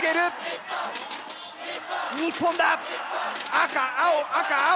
赤青赤青。